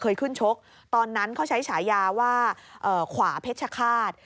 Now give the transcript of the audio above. ขึ้นชกตอนนั้นเขาใช้ฉายาว่าขวาเพชรฆาต